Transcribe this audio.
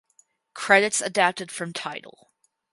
Credits adapted from Tidal.